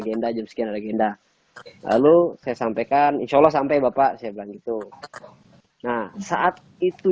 agenda jam sekian ada agenda lalu saya sampaikan insyaallah sampai bapak saya begitu nah saat itu